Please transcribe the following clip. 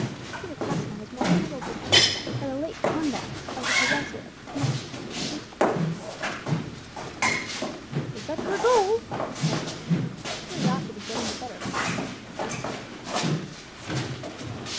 Peter Passmore was more puzzled than ever by the late conduct of the possessor of such a magnificent piece of plate. "Is that pure gold?" inquired Passmore, curiosity getting the better of politeness.